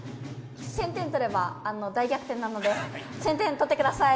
１０００点取れば大逆転なので１０００点取ってください！